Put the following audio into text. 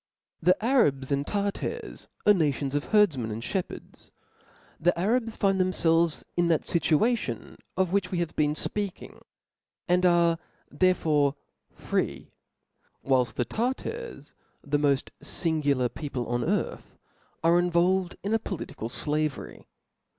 'T^'H E Arabs and Tartars are nations of herdf ■■' men and (hepherds. The Arabs find them fclves in that fituation, of which we have been fpeaking, and are therefore free : whilft the Tar tars (the moft fingular people on earth) are in volved in a political flavery.